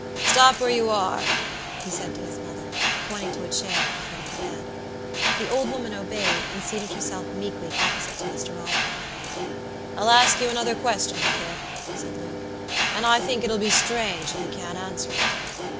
"Stop where you are," he said to his mother, pointing to a chair at the foot of the bed. The old woman obeyed, and seated herself meekly opposite to Mr. Audley. "I'll ask you another question, mother," said Luke, "and I think it'll be strange if you can't answer it.